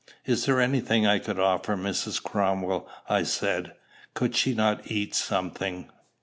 "Is there any thing I could offer Mrs. Cromwell?" I said. "Could she not eat something?"